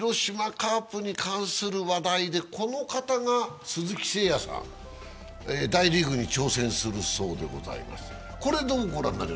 カープに関する話題で、鈴木誠也さんが大リーグに挑戦するそうでございます。